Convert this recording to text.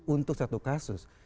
untuk satu kasus